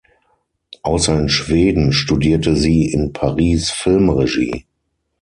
Außer in Schweden studierte sie in Paris Filmregie.